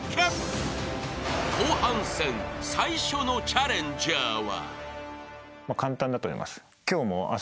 ［後半戦最初のチャレンジャーは］